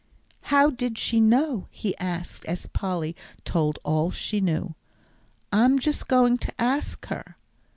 "How did she know?" he asked, as Polly told all she knew; "I'm just going to ask her."